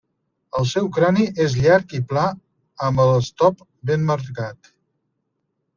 El seu crani és llarg i pla amb el stop ben marcat.